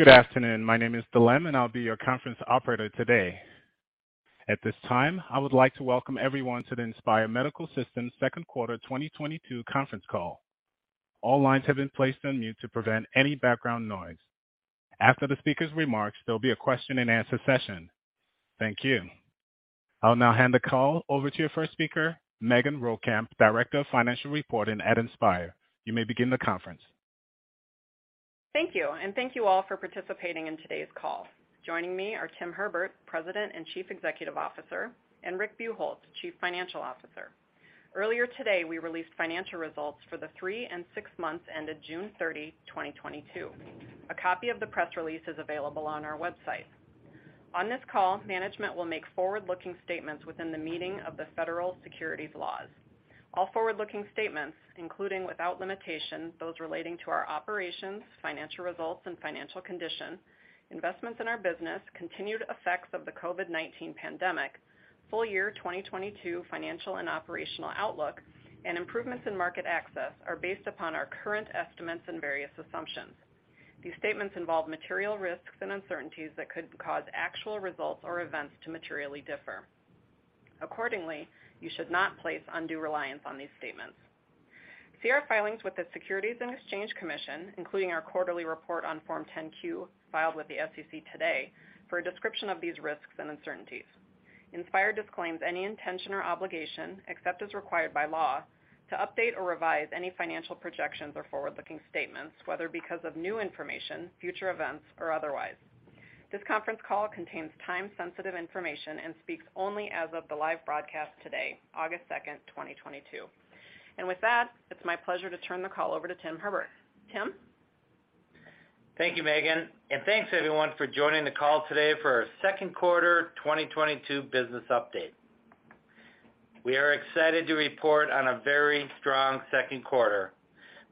Good afternoon. My name is Dilem, and I'll be your conference operator today. At this time, I would like to welcome everyone to the Inspire Medical Systems second quarter 2022 conference call. All lines have been placed on mute to prevent any background noise. After the speaker's remarks, there'll be a question-and-answer session. Thank you. I'll now hand the call over to your first speaker, Megan Rowekamp, Director of Financial Reporting at Inspire. You may begin the conference. Thank you. Thank you all for participating in today's call. Joining me are Tim Herbert, President and Chief Executive Officer, and Rick Buchholz, Chief Financial Officer. Earlier today, we released financial results for the three and six months ended June 30, 2022. A copy of the press release is available on our website. On this call, management will make forward-looking statements within the meaning of the federal securities laws. All forward-looking statements, including without limitation, those relating to our operations, financial results and financial condition, investments in our business, continued effects of the COVID-19 pandemic, full year 2022 financial and operational outlook, and improvements in market access, are based upon our current estimates and various assumptions. These statements involve material risks and uncertainties that could cause actual results or events to materially differ. Accordingly, you should not place undue reliance on these statements. See our filings with the Securities and Exchange Commission, including our quarterly report on Form 10-Q filed with the SEC today, for a description of these risks and uncertainties. Inspire disclaims any intention or obligation, except as required by law, to update or revise any financial projections or forward-looking statements, whether because of new information, future events or otherwise. This conference call contains time-sensitive information and speaks only as of the live broadcast today, August 2nd, 2022. With that, it's my pleasure to turn the call over to Tim Herbert. Tim. Thank you, Megan, and thanks everyone for joining the call today for our second quarter 2022 business update. We are excited to report on a very strong second quarter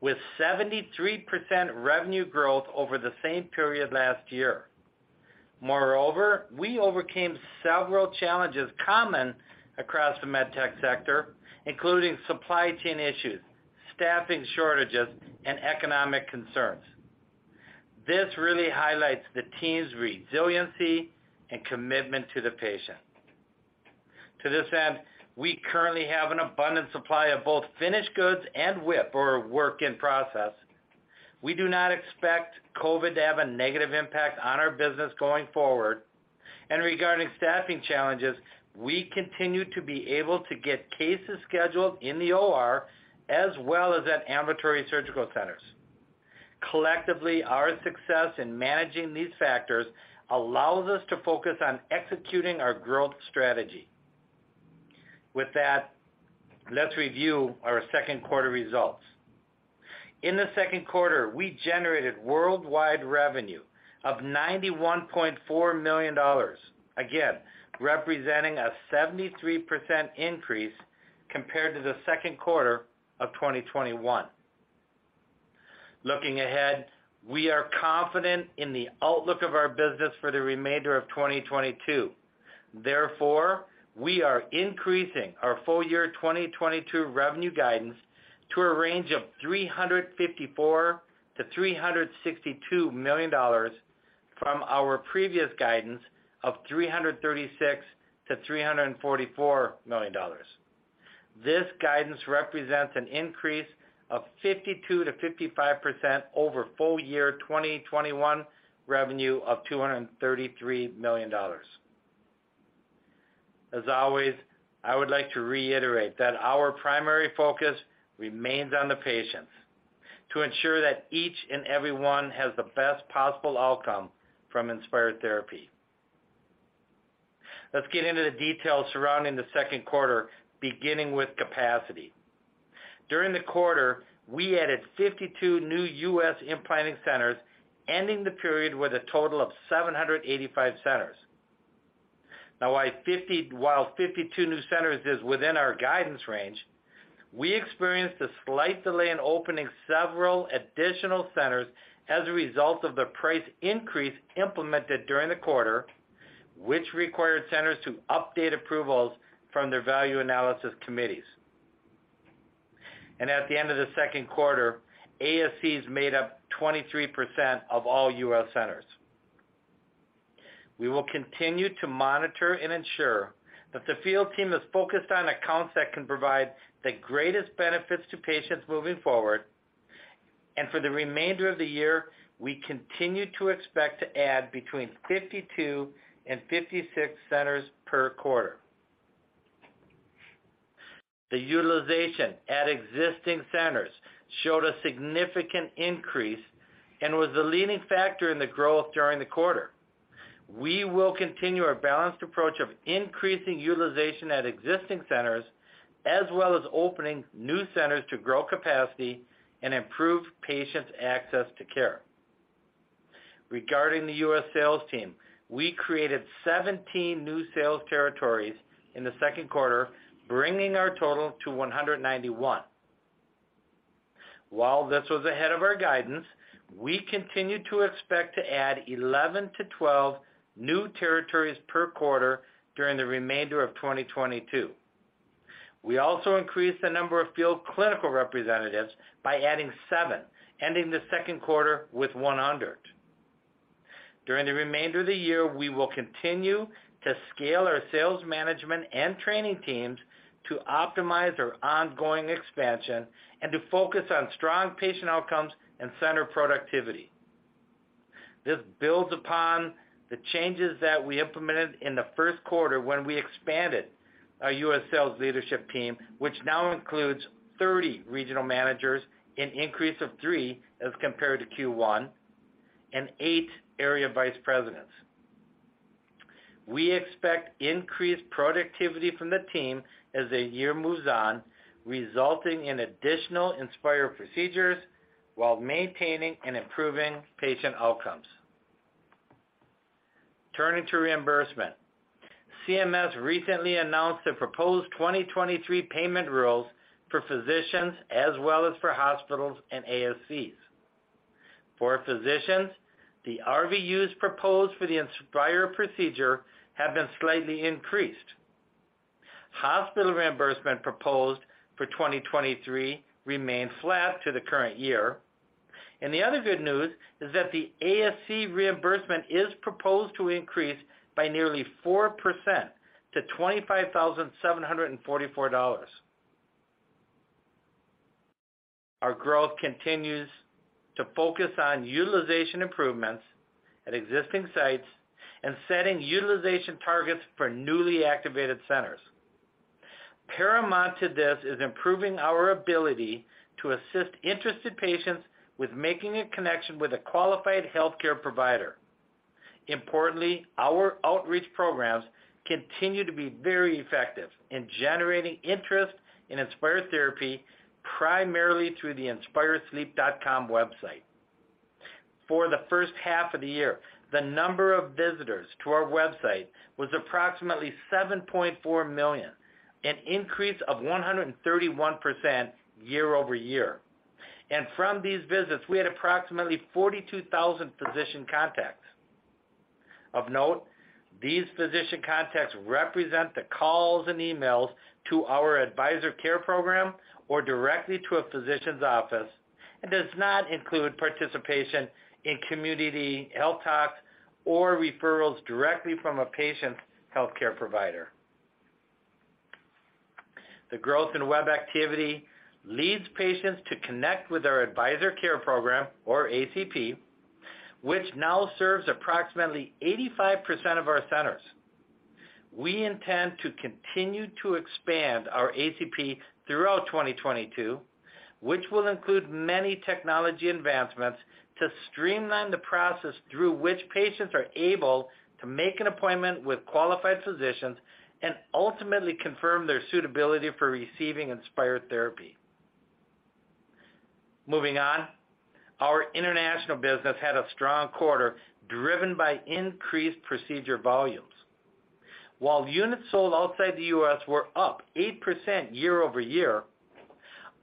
with 73% revenue growth over the same period last year. Moreover, we overcame several challenges common across the med tech sector, including supply chain issues, staffing shortages, and economic concerns. This really highlights the team's resiliency and commitment to the patient. To this end, we currently have an abundant supply of both finished goods and WIP or work in process. We do not expect COVID to have a negative impact on our business going forward. Regarding staffing challenges, we continue to be able to get cases scheduled in the OR as well as at ambulatory surgical centers. Collectively, our success in managing these factors allows us to focus on executing our growth strategy. With that, let's review our second quarter results. In the second quarter, we generated worldwide revenue of $91.4 million, again, representing a 73% increase compared to the second quarter of 2021. Looking ahead, we are confident in the outlook of our business for the remainder of 2022. Therefore, we are increasing our full year 2022 revenue guidance to a range of $354 million-$362 million from our previous guidance of $336 million-$344 million. This guidance represents an increase of 52%-55% over full year 2021 revenue of $233 million. As always, I would like to reiterate that our primary focus remains on the patients to ensure that each and everyone has the best possible outcome from Inspire therapy. Let's get into the details surrounding the second quarter, beginning with capacity. During the quarter, we added 52 new U.S. implanting centers, ending the period with a total of 785 centers. Now while 52 new centers is within our guidance range, we experienced a slight delay in opening several additional centers as a result of the price increase implemented during the quarter, which required centers to update approvals from their value analysis committees. At the end of the second quarter, ASCs made up 23% of all U.S. centers. We will continue to monitor and ensure that the field team is focused on accounts that can provide the greatest benefits to patients moving forward. For the remainder of the year, we continue to expect to add between 52 and 56 centers per quarter. The utilization at existing centers showed a significant increase and was the leading factor in the growth during the quarter. We will continue our balanced approach of increasing utilization at existing centers as well as opening new centers to grow capacity and improve patients' access to care. Regarding the U.S. sales team, we created 17 new sales territories in the second quarter, bringing our total to 191. While this was ahead of our guidance, we continue to expect to add 11-12 new territories per quarter during the remainder of 2022. We also increased the number of field clinical representatives by adding seven, ending the second quarter with 100. During the remainder of the year, we will continue to scale our sales management and training teams to optimize our ongoing expansion and to focus on strong patient outcomes and center productivity. This builds upon the changes that we implemented in the first quarter when we expanded our U.S. sales leadership team, which now includes 30 regional managers, an increase of three as compared to Q1, and eight area vice presidents. We expect increased productivity from the team as the year moves on, resulting in additional Inspire procedures while maintaining and improving patient outcomes. Turning to reimbursement. CMS recently announced the proposed 2023 payment rules for physicians as well as for hospitals and ASCs. For physicians, the RVUs proposed for the Inspire procedure have been slightly increased. Hospital reimbursement proposed for 2023 remains flat to the current year. The other good news is that the ASC reimbursement is proposed to increase by nearly 4% to $25,744. Our growth continues to focus on utilization improvements at existing sites and setting utilization targets for newly activated centers. Paramount to this is improving our ability to assist interested patients with making a connection with a qualified healthcare provider. Importantly, our outreach programs continue to be very effective in generating interest in Inspire therapy, primarily through the inspiresleep.com website. For the first half of the year, the number of visitors to our website was approximately 7.4 million, an increase of 131% year-over-year. From these visits, we had approximately 42,000 physician contacts. Of note, these physician contacts represent the calls and emails to our Advisor Care Program or directly to a physician's office and does not include participation in community health talks or referrals directly from a patient's healthcare provider. The growth in web activity leads patients to connect with our Advisor Care Program or ACP, which now serves approximately 85% of our centers. We intend to continue to expand our ACP throughout 2022, which will include many technology advancements to streamline the process through which patients are able to make an appointment with qualified physicians and ultimately confirm their suitability for receiving Inspire therapy. Moving on. Our international business had a strong quarter, driven by increased procedure volumes. While units sold outside the U.S. were up 8% year-over-year,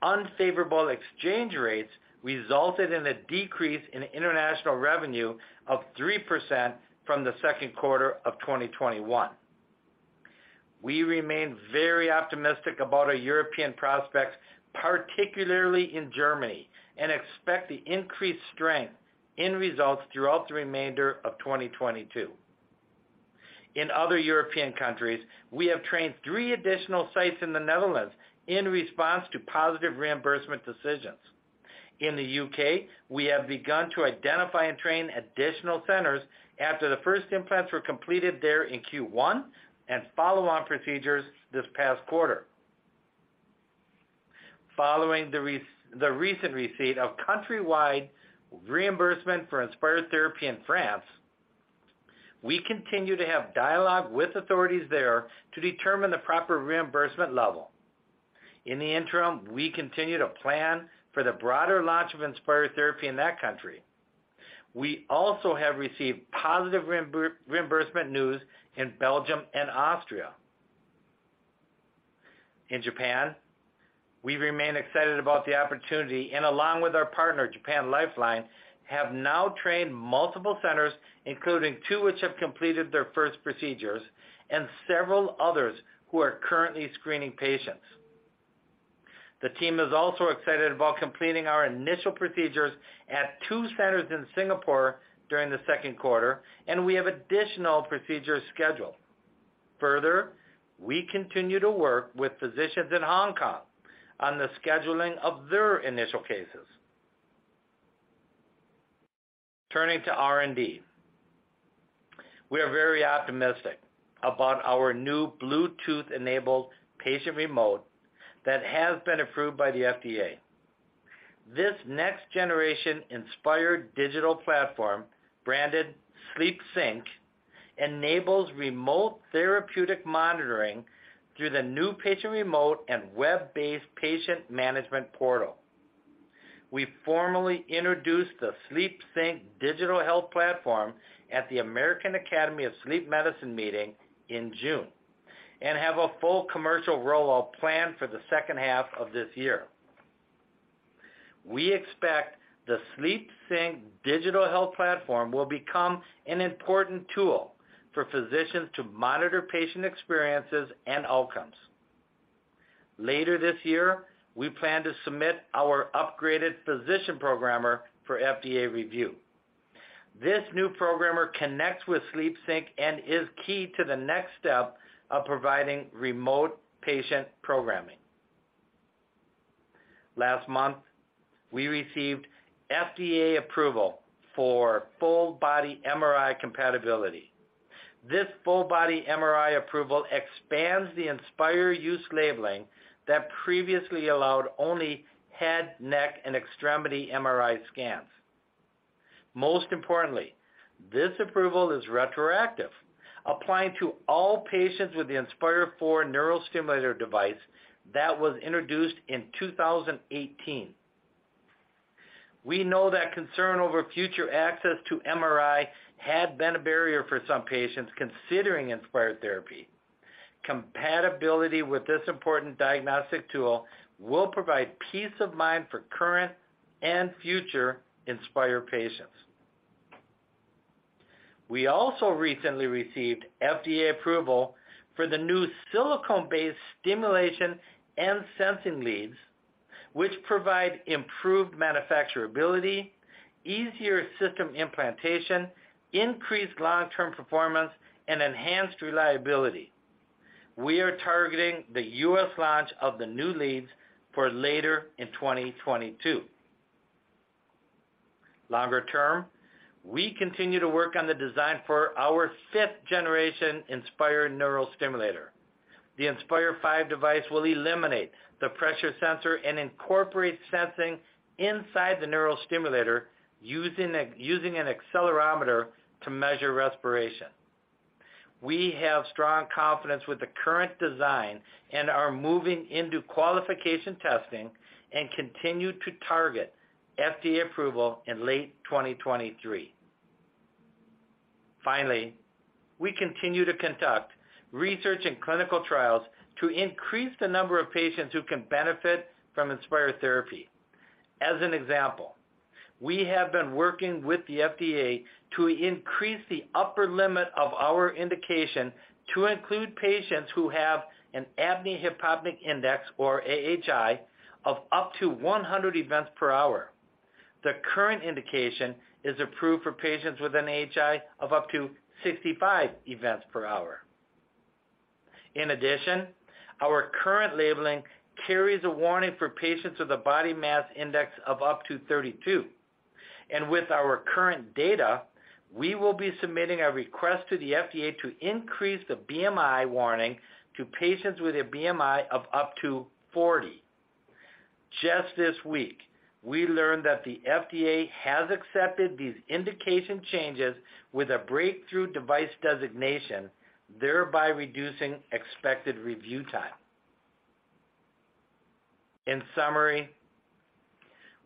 unfavorable exchange rates resulted in a decrease in international revenue of 3% from the second quarter of 2021. We remain very optimistic about our European prospects, particularly in Germany, and expect the increased strength in results throughout the remainder of 2022. In other European countries, we have trained three additional sites in the Netherlands in response to positive reimbursement decisions. In the U.K., we have begun to identify and train additional centers after the first implants were completed there in Q1 and follow on procedures this past quarter. Following the recent receipt of countrywide reimbursement for Inspire therapy in France, we continue to have dialogue with authorities there to determine the proper reimbursement level. In the interim, we continue to plan for the broader launch of Inspire therapy in that country. We also have received positive reimbursement news in Belgium and Austria. In Japan, we remain excited about the opportunity and along with our partner, Japan Lifeline, have now trained multiple centers, including two which have completed their first procedures, and several others who are currently screening patients. The team is also excited about completing our initial procedures at two centers in Singapore during the second quarter, and we have additional procedures scheduled. Further, we continue to work with physicians in Hong Kong on the scheduling of their initial cases. Turning to R&D. We are very optimistic about our new Bluetooth-enabled patient remote that has been approved by the FDA. This next generation Inspire digital platform, branded SleepSync, enables remote therapeutic monitoring through the new patient remote and web-based patient management portal. We formally introduced the SleepSync digital health platform at the American Academy of Sleep Medicine meeting in June and have a full commercial rollout planned for the second half of this year. We expect the SleepSync digital health platform will become an important tool for physicians to monitor patient experiences and outcomes. Later this year, we plan to submit our upgraded physician programmer for FDA review. This new programmer connects with SleepSync and is key to the next step of providing remote patient programming. Last month, we received FDA approval for full body MRI compatibility. This full body MRI approval expands the Inspire use labeling that previously allowed only head, neck, and extremity MRI scans. Most importantly, this approval is retroactive, applying to all patients with the Inspire IV neurostimulator device that was introduced in 2018. We know that concern over future access to MRI had been a barrier for some patients considering Inspire therapy. Compatibility with this important diagnostic tool will provide peace of mind for current and future Inspire patients. We also recently received FDA approval for the new silicone-based stimulation and sensing leads, which provide improved manufacturability, easier system implantation, increased long-term performance, and enhanced reliability. We are targeting the U.S. launch of the new leads for later in 2022. Longer term, we continue to work on the design for our fifth generation Inspire neurostimulator. The Inspire five device will eliminate the pressure sensor and incorporate sensing inside the neurostimulator using an accelerometer to measure respiration. We have strong confidence with the current design and are moving into qualification testing and continue to target FDA approval in late 2023. Finally, we continue to conduct research and clinical trials to increase the number of patients who can benefit from Inspire therapy. As an example, we have been working with the FDA to increase the upper limit of our indication to include patients who have an apnea-hypopnea index, or AHI, of up to 100 events per hour. The current indication is approved for patients with an AHI of up to 65 events per hour. In addition, our current labeling carries a warning for patients with a body mass index of up to 32, and with our current data, we will be submitting a request to the FDA to increase the BMI warning to patients with a BMI of up to 40. Just this week, we learned that the FDA has accepted these indication changes with a breakthrough device designation, thereby reducing expected review time. In summary,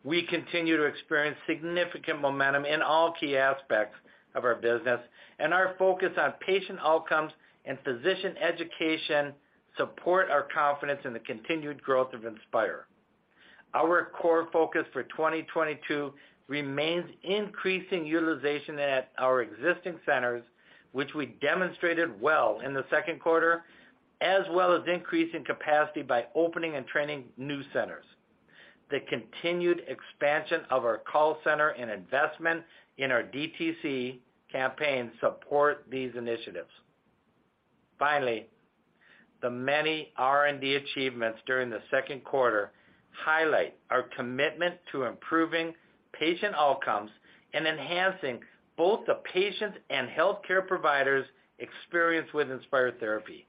we continue to experience significant momentum in all key aspects of our business, and our focus on patient outcomes and physician education support our confidence in the continued growth of Inspire. Our core focus for 2022 remains increasing utilization at our existing centers, which we demonstrated well in the second quarter, as well as increasing capacity by opening and training new centers. The continued expansion of our call center and investment in our DTC campaign support these initiatives. Finally, the many R&D achievements during the second quarter highlight our commitment to improving patient outcomes and enhancing both the patient and healthcare provider's experience with Inspire therapy.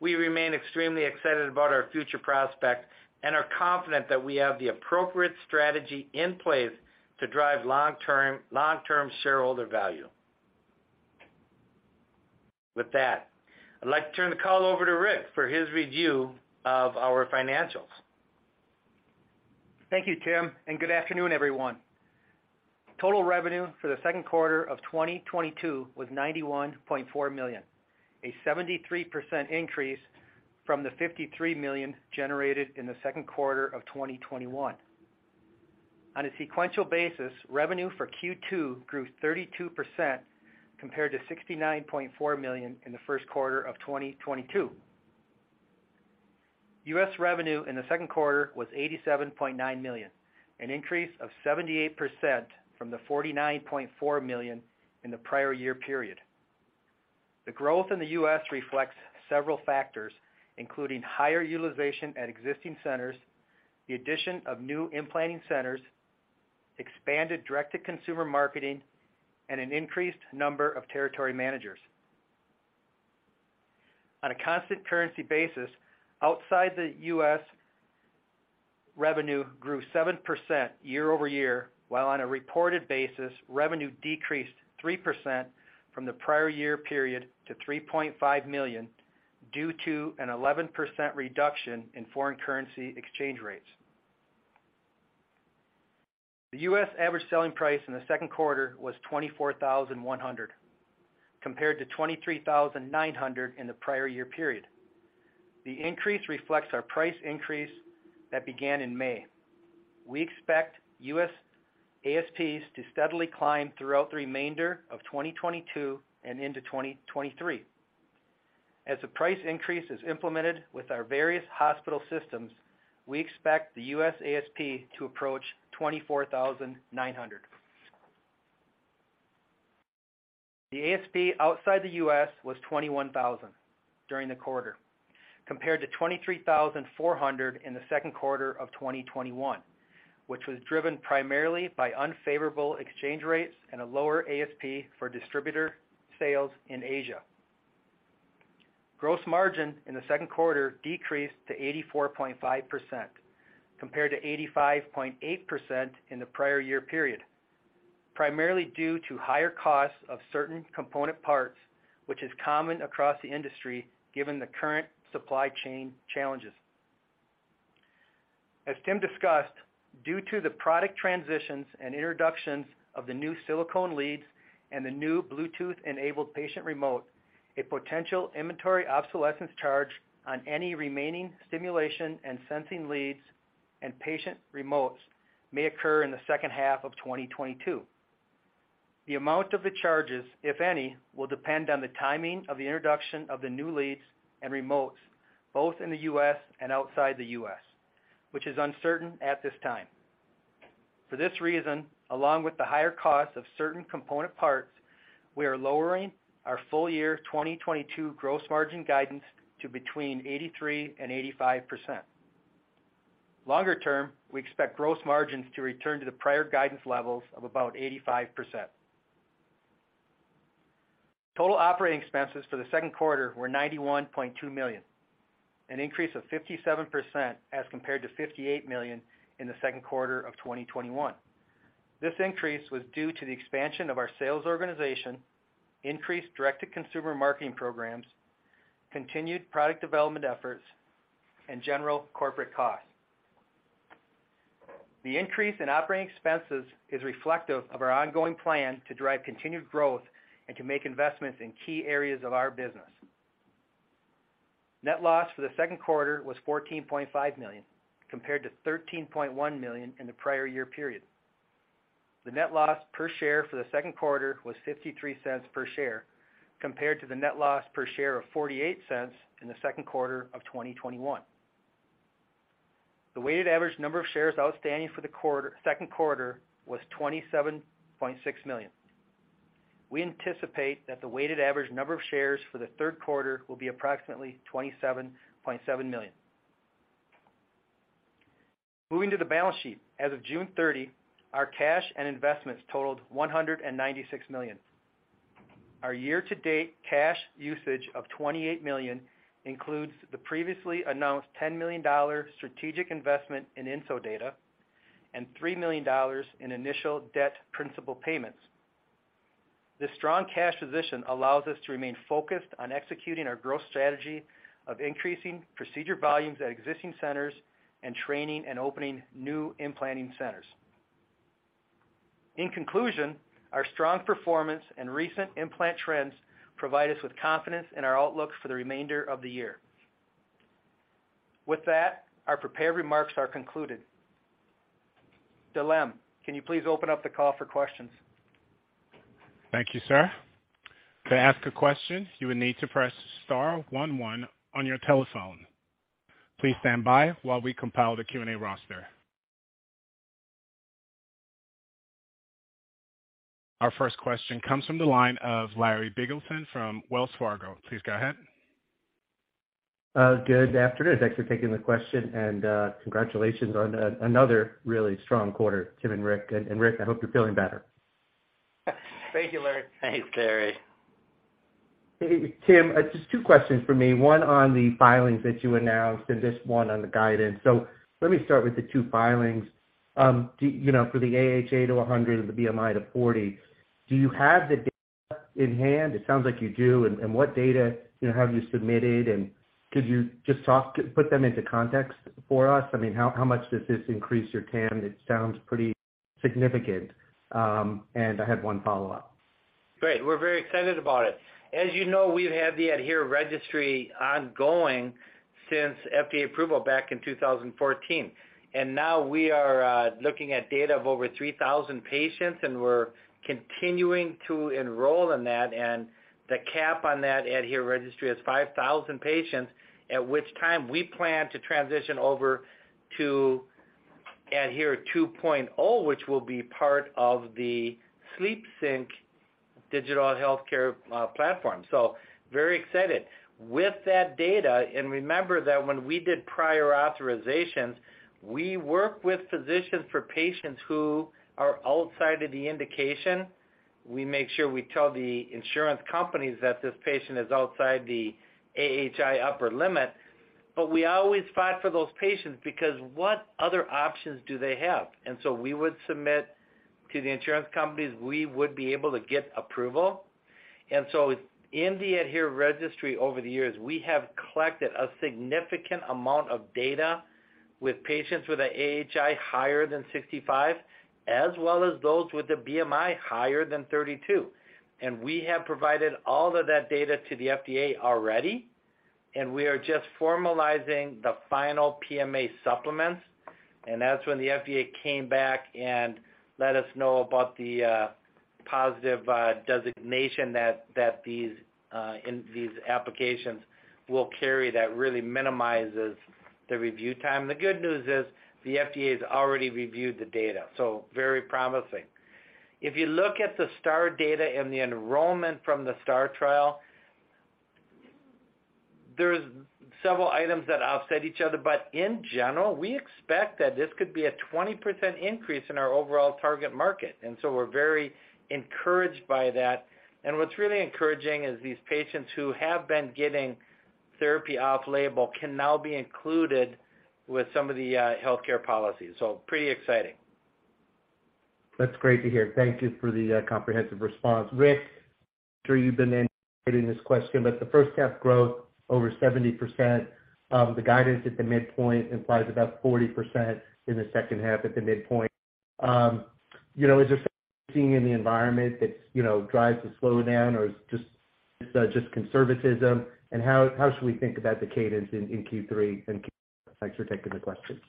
We remain extremely excited about our future prospect and are confident that we have the appropriate strategy in place to drive long-term shareholder value. With that, I'd like to turn the call over to Rick for his review of our financials. Thank you, Tim, and good afternoon, everyone. Total revenue for the second quarter of 2022 was $91.4 million, a 73% increase from the $53 million generated in the second quarter of 2021. On a sequential basis, revenue for Q2 grew 32% compared to $69.4 million in the first quarter of 2022. U.S. revenue in the second quarter was $87.9 million, an increase of 78% from the $49.4 million in the prior year period. The growth in the U.S. reflects several factors, including higher utilization at existing centers, the addition of new implanting centers, expanded direct-to-consumer marketing, and an increased number of territory managers. On a constant currency basis, outside the U.S., revenue grew 7% year-over-year, while on a reported basis, revenue decreased 3% from the prior year period to $3.5 million due to an 11% reduction in foreign currency exchange rates. The U.S. average selling price in the second quarter was $24,100 compared to $23,900 in the prior year period. The increase reflects our price increase that began in May. We expect U.S. ASPs to steadily climb throughout the remainder of 2022 and into 2023. As the price increase is implemented with our various hospital systems, we expect the U.S. ASP to approach $24,900. The ASP outside the U.S. was $21,000 during the quarter, compared to $23,400 in the second quarter of 2021, which was driven primarily by unfavorable exchange rates and a lower ASP for distributor sales in Asia. Gross margin in the second quarter decreased to 84.5%, compared to 85.8% in the prior year period, primarily due to higher costs of certain component parts, which is common across the industry given the current supply chain challenges. As Tim discussed, due to the product transitions and introductions of the new silicone leads and the new Bluetooth-enabled patient remote, a potential inventory obsolescence charge on any remaining stimulation and sensing leads and patient remotes may occur in the second half of 2022. The amount of the charges, if any, will depend on the timing of the introduction of the new leads and remotes, both in the U.S. and outside the U.S., which is uncertain at this time. For this reason, along with the higher cost of certain component parts, we are lowering our full year 2022 gross margin guidance to between 83% and 85%. Longer term, we expect gross margins to return to the prior guidance levels of about 85%. Total operating expenses for the second quarter were $91.2 million, an increase of 57% as compared to $58 million in the second quarter of 2021. This increase was due to the expansion of our sales organization, increased direct-to-consumer marketing programs, continued product development efforts, and general corporate costs. The increase in operating expenses is reflective of our ongoing plan to drive continued growth and to make investments in key areas of our business. Net loss for the second quarter was $14.5 million, compared to $13.1 million in the prior year period. The net loss per share for the second quarter was $0.53 per share, compared to the net loss per share of $0.48 in the second quarter of 2021. The weighted average number of shares outstanding for the second quarter was 27.6 million. We anticipate that the weighted average number of shares for the third quarter will be approximately 27.7 million. Moving to the balance sheet. As of June 30, our cash and investments totaled $196 million. Our year-to-date cash usage of $28 million includes the previously announced $10 million strategic investment in EnsoData and $3 million in initial debt principal payments. This strong cash position allows us to remain focused on executing our growth strategy of increasing procedure volumes at existing centers and training and opening new implanting centers. In conclusion, our strong performance and recent implant trends provide us with confidence in our outlook for the remainder of the year. With that, our prepared remarks are concluded. Dilem, can you please open up the call for questions? Thank you, sir. To ask a question, you will need to press star one one on your telephone. Please stand by while we compile the Q&A roster. Our first question comes from the line of Larry Biegelsen from Wells Fargo. Please go ahead. Good afternoon. Thanks for taking the question, and congratulations on another really strong quarter, Tim and Rick. Rick, I hope you're feeling better. Thank you, Larry. Thanks, Larry. Tim, just two questions for me. One on the filings that you announced and just one on the guidance. Let me start with the two filings. Do you know, for the AHI to 100 and the BMI to 40, do you have the data in hand? It sounds like you do. And what data, you know, have you submitted? And could you just talk to put them into context for us? I mean, how much does this increase your TAM? It sounds pretty significant. And I had one follow-up. Great. We're very excited about it. As you know, we've had the ADHERE registry ongoing since FDA approval back in 2014. Now we are looking at data of over 3,000 patients, and we're continuing to enroll in that. The cap on that ADHERE registry is 5,000 patients, at which time we plan to transition over to ADHERE 2.0, which will be part of the SleepSync digital healthcare platform. Very excited. With that data, remember that when we did prior authorizations, we work with physicians for patients who are outside of the indication. We make sure we tell the insurance companies that this patient is outside the AHI upper limit. We always fight for those patients, because what other options do they have? We would submit. To the insurance companies, we would be able to get approval. In the ADHERE registry over the years, we have collected a significant amount of data with patients with an AHI higher than 65, as well as those with a BMI higher than 32. We have provided all of that data to the FDA already, and we are just formalizing the final PMA supplements. That's when the FDA came back and let us know about the positive designation that these applications will carry that really minimizes the review time. The good news is the FDA has already reviewed the data, so very promising. If you look at the STAR data and the enrollment from the STAR trial, there's several items that offset each other. In general, we expect that this could be a 20% increase in our overall target market. We're very encouraged by that. What's really encouraging is these patients who have been getting therapy off-label can now be included with some of the healthcare policies. Pretty exciting. That's great to hear. Thank you for the comprehensive response. Rick, I'm sure you've been anticipating this question, but the first half growth over 70%, the guidance at the midpoint implies about 40% in the second half at the midpoint. You know, is there something in the environment that, you know, drives the slowdown or is just conservatism? How should we think about the cadence in Q3 and Q4? Thanks for taking the questions.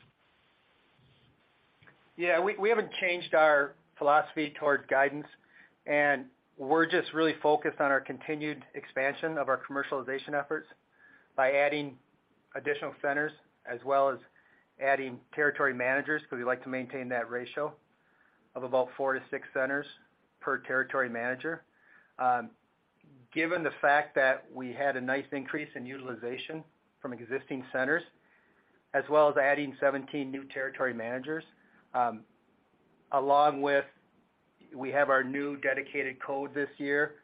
Yeah, we haven't changed our philosophy towards guidance, and we're just really focused on our continued expansion of our commercialization efforts by adding additional centers as well as adding territory managers, because we like to maintain that ratio of about 4-6 centers per territory manager. Given the fact that we had a nice increase in utilization from existing centers, as well as adding 17 new territory managers, along with we have our new dedicated code this year,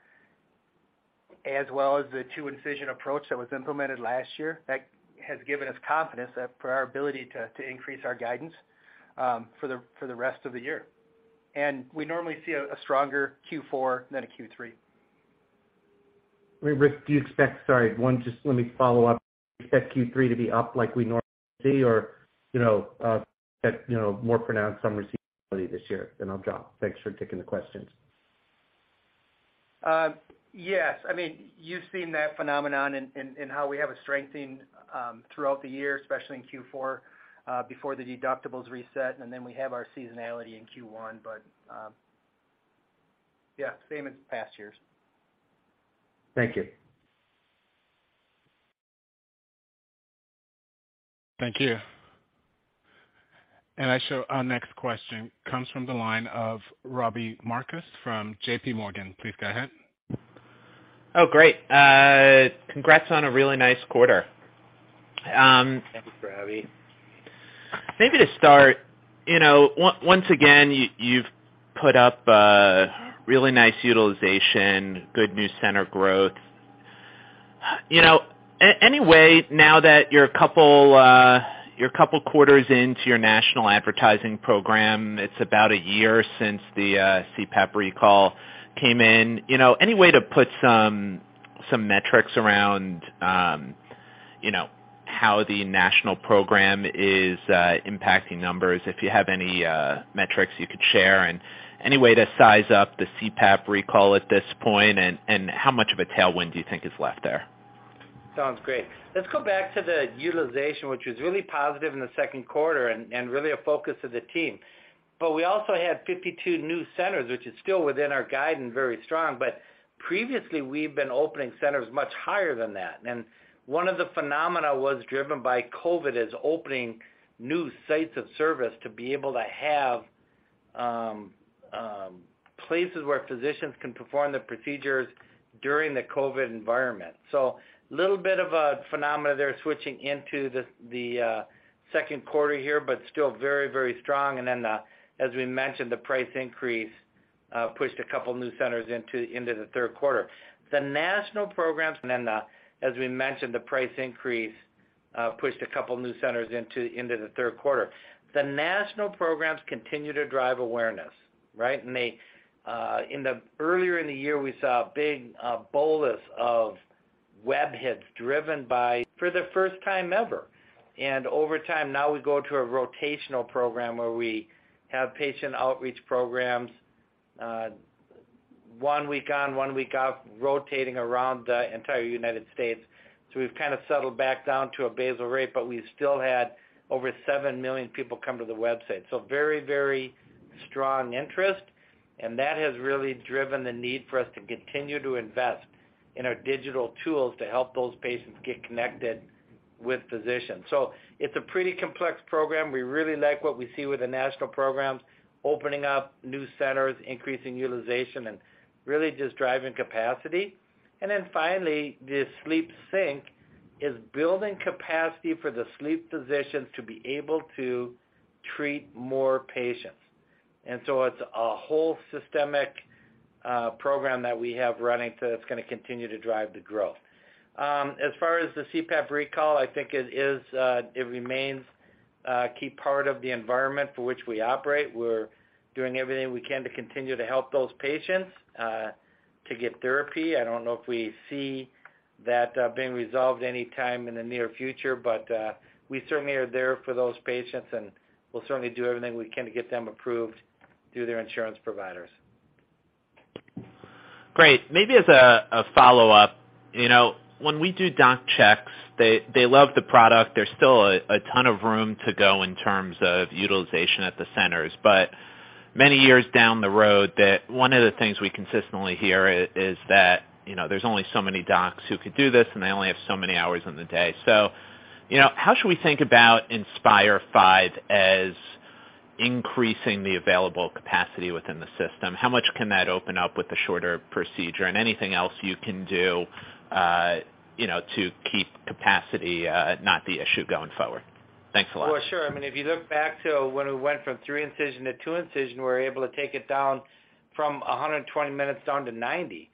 as well as the two-incision approach that was implemented last year. That has given us confidence for our ability to increase our guidance for the rest of the year. We normally see a stronger Q4 than a Q3. Sorry, let me just follow up. Do you expect Q3 to be up like we normally see? Or, you know, more pronounced seasonality this year, then I'll stop. Thanks for taking the questions. Yes. I mean, you've seen that phenomenon in how we have a strengthening throughout the year, especially in Q4, before the deductibles reset, and then we have our seasonality in Q1. Same as past years. Thank you. Thank you. Our next question comes from the line of Robbie Marcus from JPMorgan. Please go ahead. Oh, great. Congrats on a really nice quarter. Thanks, Robbie. Maybe to start, you know, once again, you've put up a really nice utilization, good new center growth. You know, any way now that you're a couple quarters into your national advertising program, it's about a year since the CPAP recall came in. You know, any way to put some metrics around, you know, how the national program is impacting numbers, if you have any metrics you could share? And any way to size up the CPAP recall at this point? And how much of a tailwind do you think is left there? Sounds great. Let's go back to the utilization, which was really positive in the second quarter and really a focus of the team. We also had 52 new centers, which is still within our guidance, very strong. Previously, we've been opening centers much higher than that. One of the phenomena was driven by COVID, is opening new sites of service to be able to have places where physicians can perform the procedures during the COVID environment. Little bit of a phenomena there switching into the second quarter here, but still very, very strong. Then, as we mentioned, the price increase pushed a couple new centers into the third quarter. The national programs and then, as we mentioned, the price increase pushed a couple new centers into the third quarter. The national programs continue to drive awareness, right? They earlier in the year, we saw a big bolus of web hits driven by for the first time ever. Over time now we go to a rotational program where we have patient outreach programs, one week on, one week off, rotating around the entire United States. We've kind of settled back down to a basal rate, but we still had over 7 million people come to the website. Very, very strong interest. That has really driven the need for us to continue to invest in our digital tools to help those patients get connected with physicians. It's a pretty complex program. We really like what we see with the national programs, opening up new centers, increasing utilization, and really just driving capacity. Then finally, the SleepSync is building capacity for the sleep physicians to be able to treat more patients. It's a whole systemic program that we have running, so it's gonna continue to drive the growth. As far as the CPAP recall, I think it is. It remains a key part of the environment for which we operate. We're doing everything we can to continue to help those patients to get therapy. I don't know if we see that being resolved any time in the near future, but we certainly are there for those patients, and we'll certainly do everything we can to get them approved through their insurance providers. Great. Maybe as a follow-up, you know, when we do doc checks, they love the product. There's still a ton of room to go in terms of utilization at the centers. But many years down the road that one of the things we consistently hear is that, you know, there's only so many docs who could do this, and they only have so many hours in the day. So, you know, how should we think about Inspire V as increasing the available capacity within the system? How much can that open up with the shorter procedure and anything else you can do, you know, to keep capacity, not the issue going forward? Thanks a lot. Well, sure. I mean, if you look back to when we went from three incision to two incision, we were able to take it down from 120 minutes down to 90.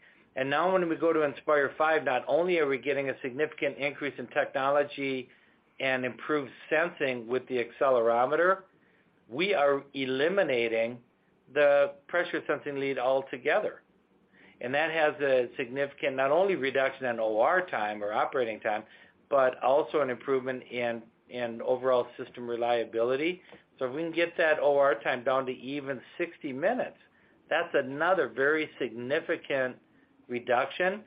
Now when we go to Inspire V, not only are we getting a significant increase in technology and improved sensing with the accelerometer, we are eliminating the pressure sensing lead altogether. That has a significant not only reduction in OR time or operating time, but also an improvement in overall system reliability. If we can get that OR time down to even 60 minutes, that's another very significant reduction,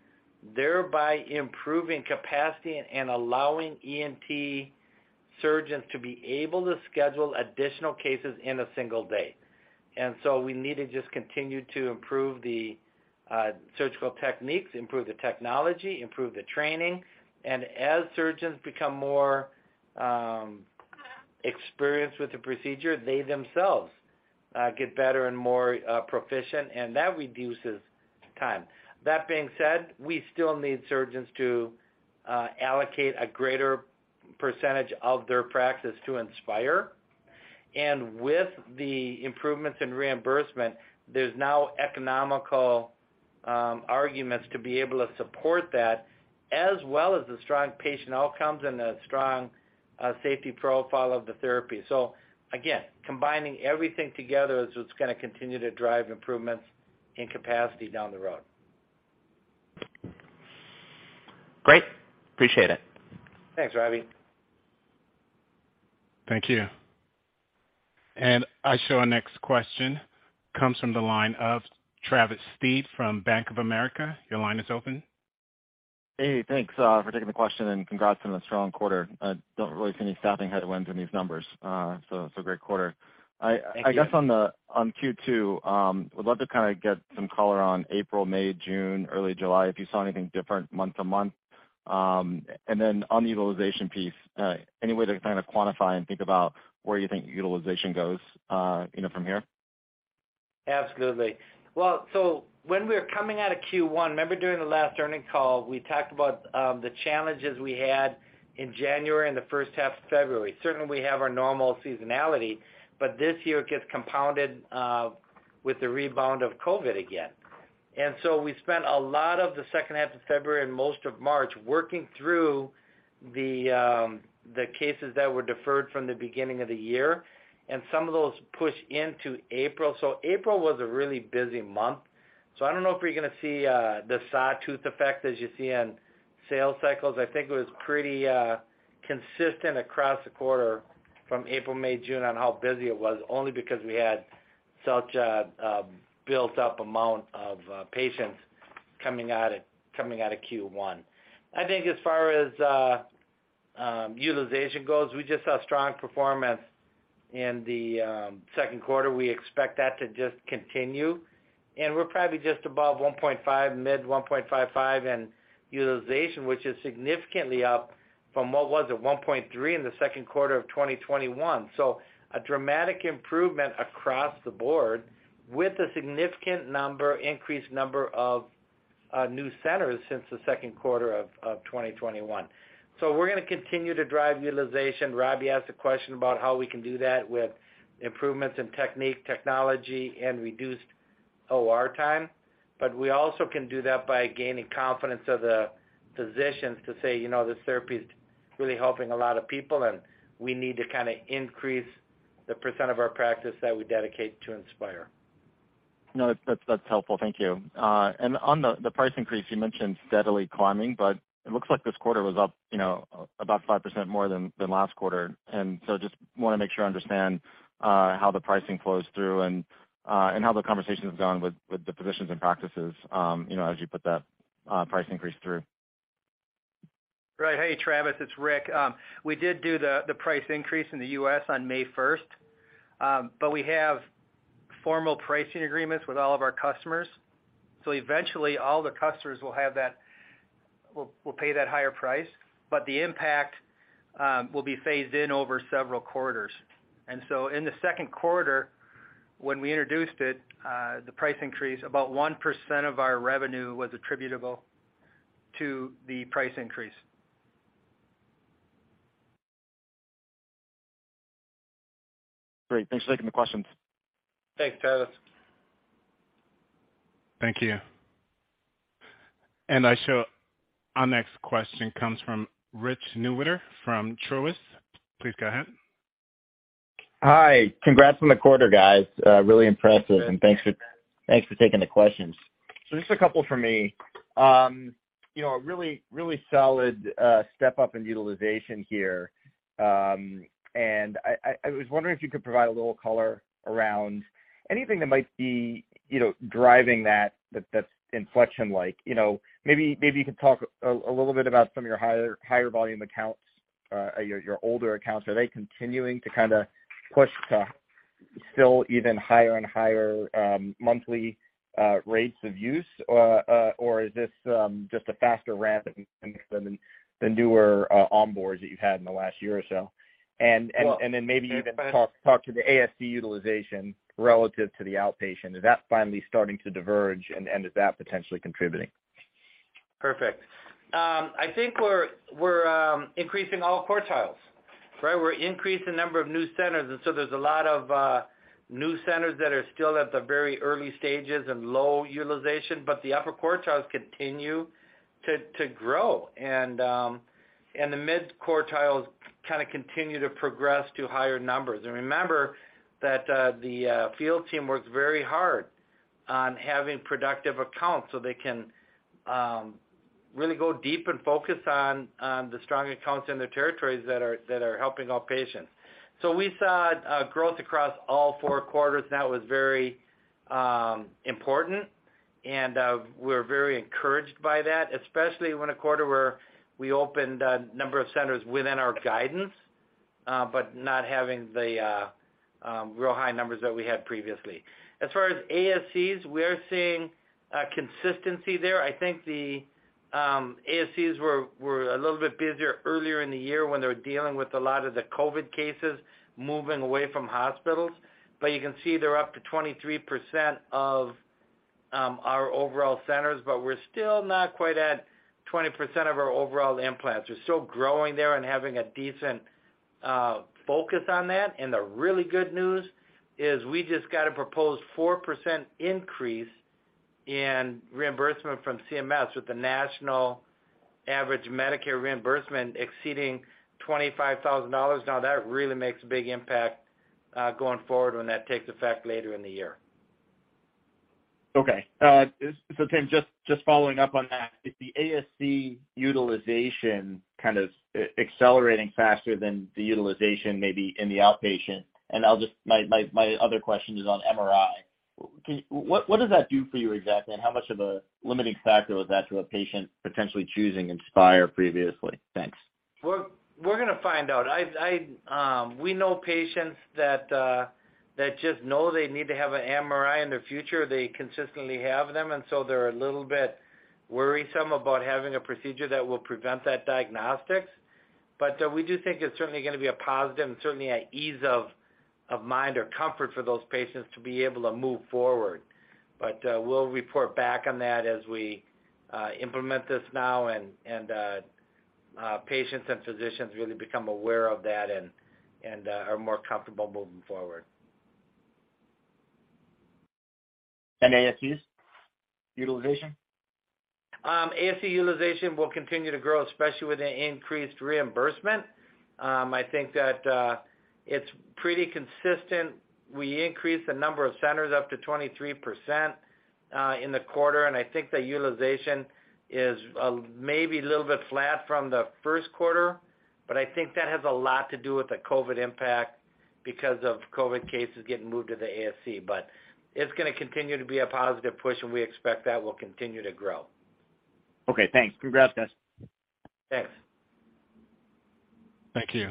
thereby improving capacity and allowing ENT surgeons to be able to schedule additional cases in a single day. We need to just continue to improve the surgical techniques, improve the technology, improve the training. As surgeons become more experienced with the procedure, they themselves get better and more proficient, and that reduces time. That being said, we still need surgeons to allocate a greater percentage of their practice to Inspire. With the improvements in reimbursement, there's now economical arguments to be able to support that, as well as the strong patient outcomes and the strong safety profile of the therapy. Again, combining everything together is what's gonna continue to drive improvements in capacity down the road. Great. Appreciate it. Thanks, Robbie Marcus. Thank you. I show our next question comes from the line of Travis Steed from Bank of America. Your line is open. Hey, thanks, for taking the question and congrats on a strong quarter. I don't really see any staffing headwinds in these numbers. Great quarter. Thanks. I guess on Q2, would love to kind of get some color on April, May, June, early July, if you saw anything different month to month? On the utilization piece, any way to kind of quantify and think about where you think utilization goes, you know, from here? Absolutely. Well, when we're coming out of Q1, remember during the last earnings call, we talked about the challenges we had in January and the first half of February. Certainly, we have our normal seasonality, but this year it gets compounded with the rebound of COVID again. We spent a lot of the second half of February and most of March working through the cases that were deferred from the beginning of the year, and some of those pushed into April. April was a really busy month. I don't know if we're gonna see the sawtooth effect as you see on sales cycles. I think it was pretty consistent across the quarter from April, May, June on how busy it was, only because we had such a built up amount of patients coming out of Q1. I think as far as utilization goes, we just saw strong performance in the second quarter. We expect that to just continue. We're probably just above 1.5, mid 1.55 in utilization, which is significantly up from what was it? 1.3 in the second quarter of 2021. A dramatic improvement across the board with a significant increased number of new centers since the second quarter of 2021. We're gonna continue to drive utilization. Robbie asked a question about how we can do that with improvements in technique, technology, and reduced OR time. We also can do that by gaining confidence of the physicians to say, "You know, this therapy is really helping a lot of people, and we need to kinda increase the percent of our practice that we dedicate to Inspire. No, that's helpful. Thank you. On the price increase, you mentioned steadily climbing, but it looks like this quarter was up, you know, about 5% more than last quarter. Just wanna make sure I understand how the pricing flows through and how the conversation's gone with the physicians and practices, you know, as you put that price increase through. Right. Hey, Travis, it's Rick. We did do the price increase in the U.S. on May first. But we have formal pricing agreements with all of our customers. Eventually all the customers will pay that higher price, but the impact will be phased in over several quarters. In the second quarter, when we introduced it, the price increase, about 1% of our revenue was attributable to the price increase. Great. Thanks for taking the questions. Thanks, Travis. Thank you. I show our next question comes from Rich Newitter from Truist. Please go ahead. Hi. Congrats on the quarter, guys. Really impressive. Thanks for taking the questions. Just a couple from me. You know, a really solid step-up in utilization here. I was wondering if you could provide a little color around anything that might be driving that inflection like. You know, maybe you could talk a little bit about some of your higher volume accounts, your older accounts. Are they continuing to kinda push to still even higher and higher monthly rates of use? Or is this just a faster ramp than the newer onboards that you've had in the last year or so? Then maybe even talk to the ASC utilization relative to the outpatient. Is that finally starting to diverge? Is that potentially contributing? Perfect. I think we're increasing all quartiles, right? We're increasing the number of new centers, and so there's a lot of new centers that are still at the very early stages and low utilization. The upper quartiles continue to grow. The mid quartiles kind of continue to progress to higher numbers. Remember that the field team works very hard on having productive accounts so they can really go deep and focus on the strong accounts in their territories that are helping out patients. We saw growth across all four quarters. That was very important. We're very encouraged by that, especially when a quarter where we opened a number of centers within our guidance, but not having the real high numbers that we had previously. As far as ASCs, we are seeing a consistency there. I think the ASCs were a little bit busier earlier in the year when they were dealing with a lot of the COVID cases moving away from hospitals. You can see they're up to 23% of our overall centers, but we're still not quite at 20% of our overall implants. We're still growing there and having a decent focus on that. The really good news is we just got a proposed 4% increase in reimbursement from CMS, with the national average Medicare reimbursement exceeding $25,000. Now, that really makes a big impact going forward when that takes effect later in the year. Okay. Tim, just following up on that, is the ASC utilization kind of accelerating faster than the utilization maybe in the outpatient? My other question is on MRI. What does that do for you exactly? And how much of a limiting factor was that to a patient potentially choosing Inspire previously? Thanks. We're gonna find out. We know patients that just know they need to have an MRI in their future. They consistently have them, and so they're a little bit worrisome about having a procedure that will prevent that diagnostics. We do think it's certainly gonna be a positive and certainly an ease of mind or comfort for those patients to be able to move forward. We'll report back on that as we implement this now and patients and physicians really become aware of that and are more comfortable moving forward. ASCs utilization? ASC utilization will continue to grow, especially with the increased reimbursement. I think that it's pretty consistent. We increased the number of centers up to 23%, in the quarter, and I think the utilization is maybe a little bit flat from the first quarter, but I think that has a lot to do with the COVID impact because of COVID cases getting moved to the ASC. It's gonna continue to be a positive push, and we expect that will continue to grow. Okay, thanks. Congrats, guys. Thanks. Thank you.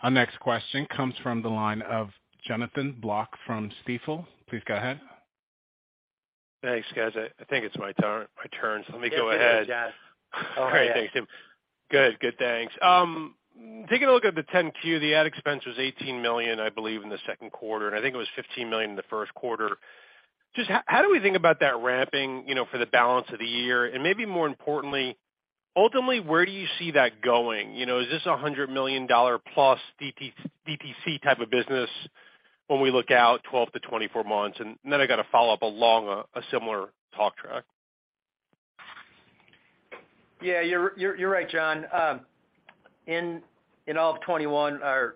Our next question comes from the line of Jonathan Block from Stifel. Please go ahead. Thanks, guys. I think it's my turn, so let me go ahead. Go ahead, John. Oh, yeah. All right. Thanks, Tim. Good. Good. Thanks. Taking a look at the 10-Q, the ad expense was $18 million, I believe, in the second quarter, and I think it was $15 million in the first quarter. Just how do we think about that ramping, you know, for the balance of the year? And maybe more importantly, ultimately, where do you see that going? You know, is this a $100 million plus DTC type of business when we look out 12-24 months? And then I got a follow-up along a similar talk track. Yeah, you're right, John. In all of 2021 our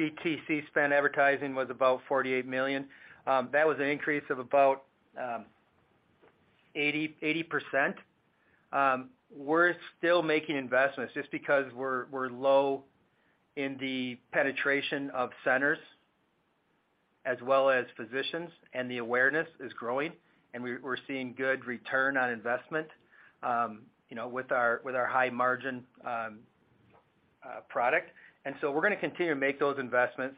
DTC spend advertising was about $48 million. That was an increase of about 80%. We're still making investments just because we're low in the penetration of centers as well as physicians, and the awareness is growing. We're seeing good return on investment, you know, with our high margin product. We're gonna continue to make those investments.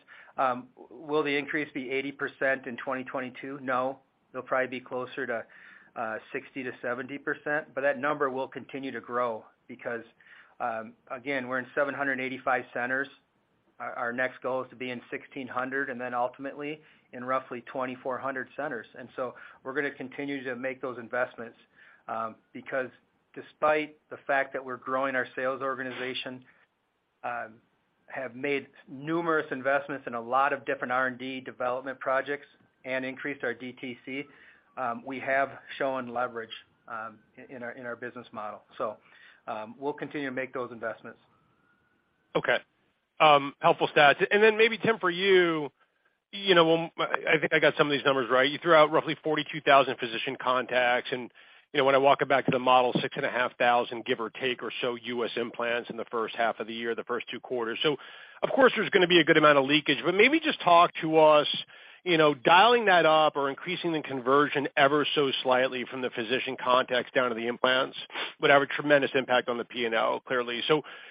Will the increase be 80% in 2022? No. It'll probably be closer to 60%-70%, but that number will continue to grow because, again, we're in 785 centers. Our next goal is to be in 1,600 and then ultimately in roughly 2,400 centers. We're gonna continue to make those investments, because despite the fact that we're growing our sales organization, have made numerous investments in a lot of different R&D development projects and increased our DTC, we have shown leverage in our business model. We'll continue to make those investments. Okay. Helpful stats. Maybe Tim, for you know, I think I got some of these numbers right. You threw out roughly 42,000 physician contacts and, you know, when I walk it back to the model, 6,500, give or take or so, U.S. implants in the first half of the year, the first two quarters. Of course, there's gonna be a good amount of leakage. Maybe just talk to us, you know, dialing that up or increasing the conversion ever so slightly from the physician contacts down to the implants would have a tremendous impact on the P&L, clearly.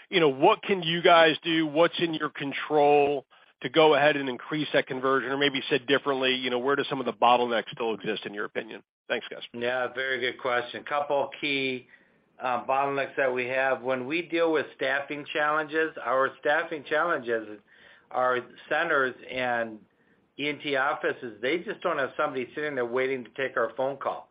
You know, what can you guys do? What's in your control to go ahead and increase that conversion? Or maybe said differently, you know, where do some of the bottlenecks still exist, in your opinion? Thanks, guys. Yeah, very good question. A couple key bottlenecks that we have. When we deal with staffing challenges, our staffing challenges are centers and ENT offices. They just don't have somebody sitting there waiting to take our phone call.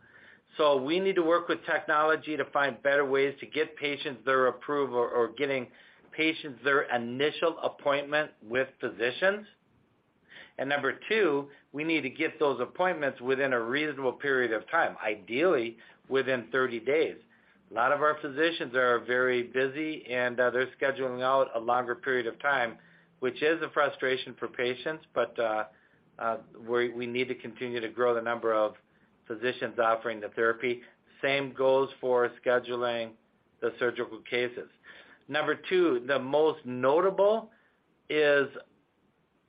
We need to work with technology to find better ways to get patients their approval or getting patients their initial appointment with physicians. Number two, we need to get those appointments within a reasonable period of time, ideally within 30 days. A lot of our physicians are very busy, and they're scheduling out a longer period of time, which is a frustration for patients. We need to continue to grow the number of physicians offering the therapy. Same goes for scheduling the surgical cases. Number two, the most notable is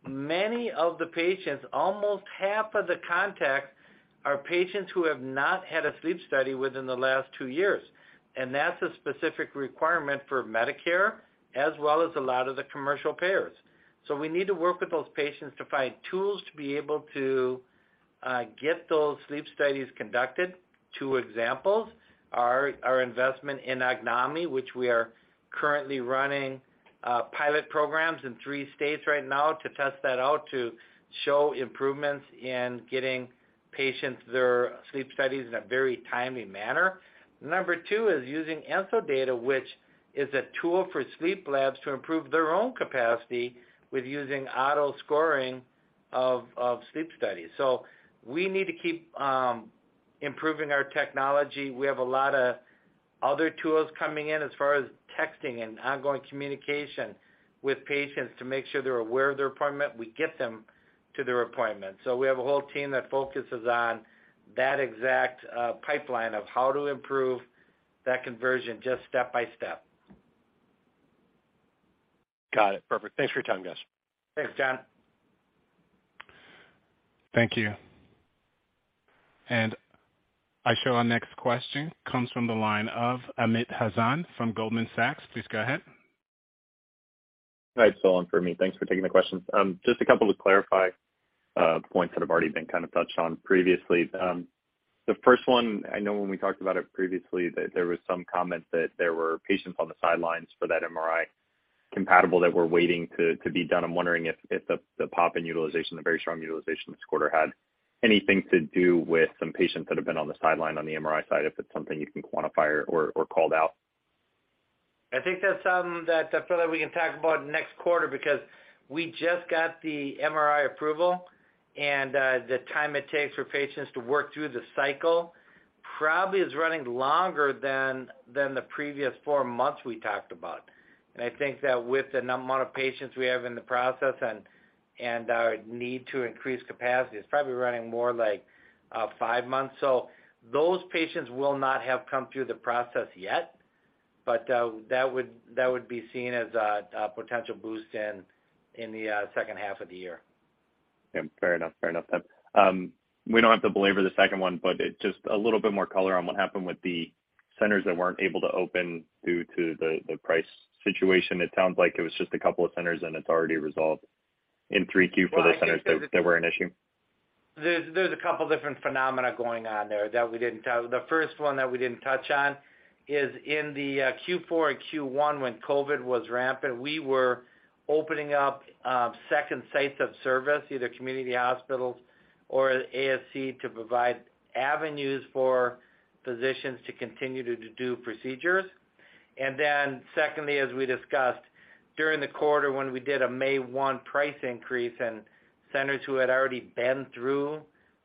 many of the patients, almost half of the contacts are patients who have not had a sleep study within the last two years, and that's a specific requirement for Medicare as well as a lot of the commercial payers. We need to work with those patients to find tools to be able to get those sleep studies conducted. Two examples are our investment in Ognomy, which we are currently running pilot programs in three states right now to test that out, to show improvements in getting patients their sleep studies in a very timely manner. Number two is using EnsoData, which is a tool for sleep labs to improve their own capacity with using auto scoring of sleep studies. We need to keep improving our technology. We have a lot of other tools coming in as far as texting and ongoing communication with patients to make sure they're aware of their appointment. We get them to their appointment. We have a whole team that focuses on that exact pipeline of how to improve that conversion just step by step. Got it. Perfect. Thanks for your time, guys. Thanks, John. Thank you. Our next question comes from the line of Amit Hazan from Goldman Sachs. Please go ahead. Hi, it's Phil in for Amit. Thanks for taking the questions. Just a couple to clarify points that have already been kind of touched on previously. The first one, I know when we talked about it previously, that there were some comments that there were patients on the sidelines for that MRI compatible that were waiting to be done. I'm wondering if the pop in utilization, the very strong utilization this quarter had anything to do with some patients that have been on the sidelines on the MRI side, if it's something you can quantify or call out. I think that's something that probably we can talk about next quarter because we just got the MRI approval and the time it takes for patients to work through the cycle probably is running longer than the previous four months we talked about. I think that with the amount of patients we have in the process and our need to increase capacity, it's probably running more like five months. Those patients will not have come through the process yet, but that would be seen as a potential boost in the second half of the year. Yeah, fair enough. Fair enough then. We don't have to belabor the second one, but just a little bit more color on what happened with the centers that weren't able to open due to the price situation. It sounds like it was just a couple of centers and it's already resolved in 3Q for the centers that were an issue. There's a couple different phenomena going on there that we didn't touch. The first one that we didn't touch on is in the Q4 and Q1, when COVID was rampant, we were opening up second sites of service, either community hospitals or ASC, to provide avenues for physicians to continue to do procedures. Then secondly, as we discussed during the quarter when we did a May 1 price increase and centers who had already been through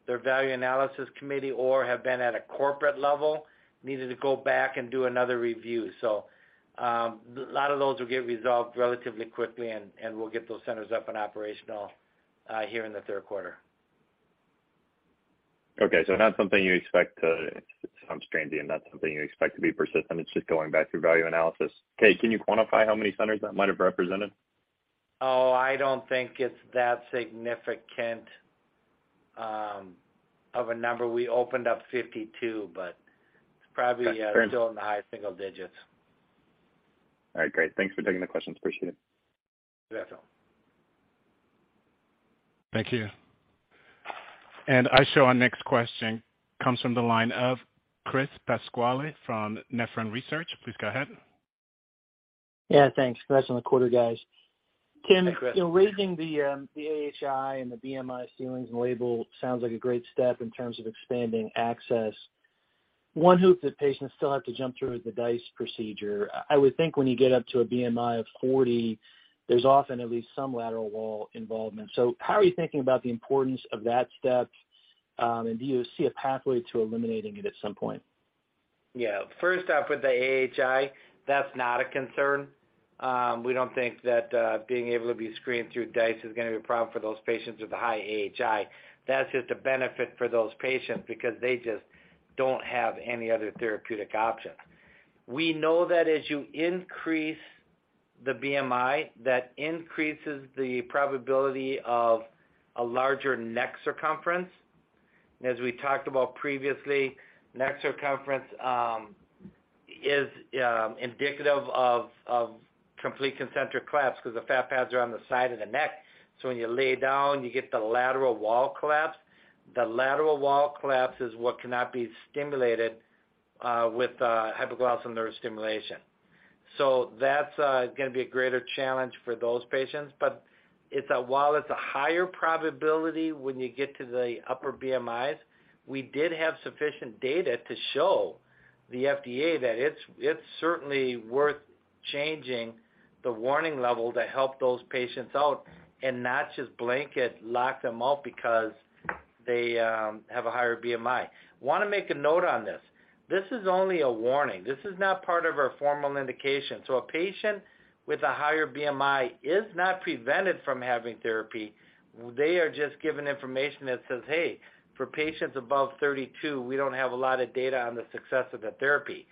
their value analysis committee or have been at a corporate level needed to go back and do another review. So, a lot of those will get resolved relatively quickly, and we'll get those centers up and operational here in the third quarter. Okay, it sounds strange to me, not something you expect to be persistent. It's just going back through value analysis. Okay, can you quantify how many centers that might have represented? Oh, I don't think it's that significant of a number. We opened up 52, but it's probably still in the high single digits. All right, great. Thanks for taking the questions. Appreciate it. You bet, Phil. Thank you. Our next question comes from the line of Chris Pasquale from Nephron Research. Please go ahead. Yeah, thanks. Congrats on the quarter, guys. Hi, Chris. Tim, you know, raising the the AHI and the BMI ceilings and label sounds like a great step in terms of expanding access. One hoop that patients still have to jump through is the DICE procedure. I would think when you get up to a BMI of 40, there's often at least some lateral wall involvement. How are you thinking about the importance of that step, and do you see a pathway to eliminating it at some point? Yeah. First off, with the AHI, that's not a concern. We don't think that, being able to be screened through DICE is gonna be a problem for those patients with a high AHI. That's just a benefit for those patients because they just don't have any other therapeutic option. We know that as you increase the BMI, that increases the probability of a larger neck circumference. As we talked about previously, neck circumference is indicative of complete concentric collapse because the fat pads are on the side of the neck, so when you lay down, you get the lateral wall collapse. The lateral wall collapse is what cannot be stimulated with hypoglossal nerve stimulation. That's gonna be a greater challenge for those patients. It's a... While it's a higher probability when you get to the upper BMIs, we did have sufficient data to show the FDA that it's certainly worth changing the warning level to help those patients out and not just blanket lock them out because they have a higher BMI. Wanna make a note on this. This is only a warning. This is not part of our formal indication. A patient with a higher BMI is not prevented from having therapy. They are just given information that says, "Hey, for patients above 32, we don't have a lot of data on the success of the therapy."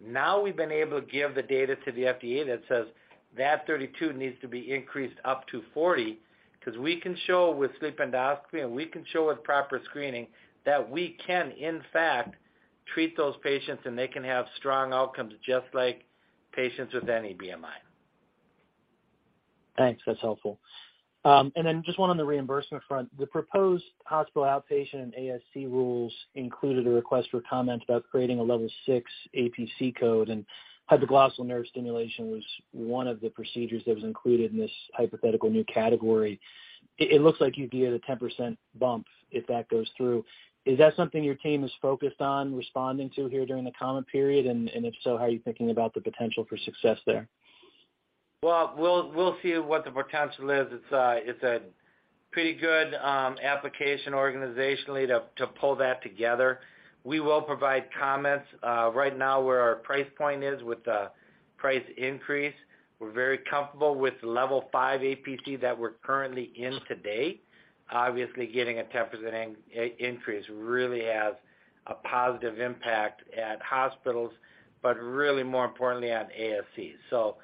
Now we've been able to give the data to the FDA that says that 32 needs to be increased up to 40 'cause we can show with sleep endoscopy and we can show with proper screening that we can in fact treat those patients and they can have strong outcomes just like patients with any BMI. Thanks. That's helpful. And then just one on the reimbursement front. The proposed hospital outpatient and ASC rules included a request for comment about creating a level six APC code, and hypoglossal nerve stimulation was one of the procedures that was included in this hypothetical new category. It looks like you'd be at a 10% bump if that goes through. Is that something your team is focused on responding to here during the comment period? And if so, how are you thinking about the potential for success there? Well, we'll see what the potential is. It's a pretty good application organizationally to pull that together. We will provide comments. Right now, where our price point is with the price increase, we're very comfortable with the level five APC that we're currently in today. Obviously, getting a 10% increase really has a positive impact at hospitals, but really more importantly on ASCs.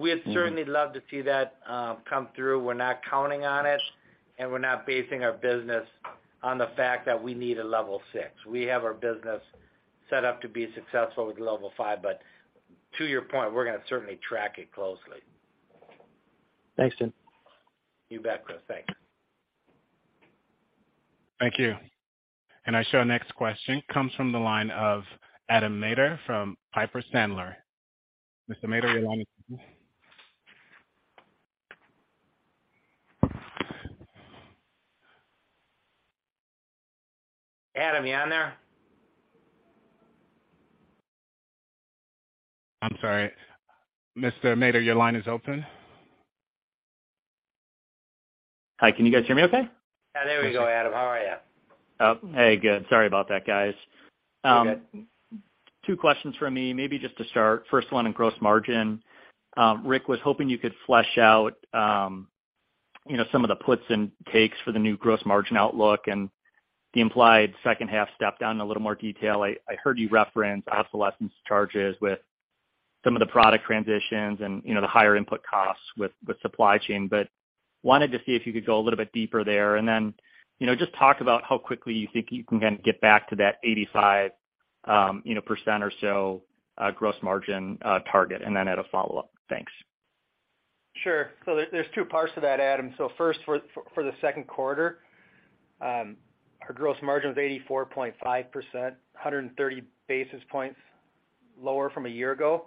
We'd certainly love to see that come through. We're not counting on it, and we're not basing our business on the fact that we need a level six. We have our business set up to be successful with level five. To your point, we're gonna certainly track it closely. Thanks, Tim. You bet, Chris. Thanks. Thank you. I show our next question comes from the line of Adam Maeder from Piper Sandler. Mr. Maeder, your line is open. Adam, you on there? I'm sorry. Mr. Maeder, your line is open. Hi. Can you guys hear me okay? Yeah. There we go, Adam. How are you? Oh, hey. Good. Sorry about that, guys. All good. Two questions from me. Maybe just to start, first one on gross margin. Rick, was hoping you could flesh out, you know, some of the puts and takes for the new gross margin outlook and the implied second half step down in a little more detail. I heard you reference obsolescence charges with some of the product transitions and, you know, the higher input costs with supply chain. But wanted to see if you could go a little bit deeper there. Then, you know, just talk about how quickly you think you can kind of get back to that 85%, you know, gross margin target. Then I had a follow-up. Thanks. Sure. There, there's two parts to that, Adam. First, for the second quarter, our gross margin was 84.5%, 130 basis points lower from a year ago.